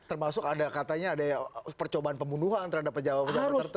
termasuk ada katanya ada percobaan pembunuhan terhadap pejabat pejabat tertentu